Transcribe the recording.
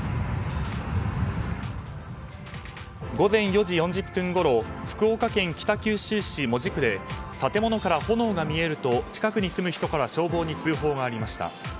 午前４時４０分ごろ福岡県北九州市門司区で建物から炎が見えると近くに住む人から消防に通報がありました。